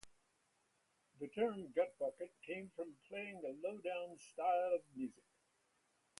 The term "gutbucket" came from playing a lowdown style of music.